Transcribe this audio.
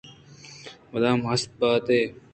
مُدام ھست بات اِت